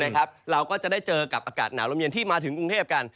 เราก็จะได้เจอกับอากาศหนาวลมเย็นที่มาถึงกรุงเทพกัน